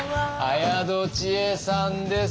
綾戸智恵さんです。